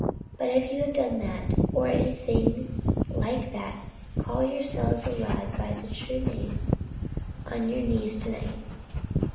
But if you have done that, or anything like that, call yourself aloud by your true name on your knees to night.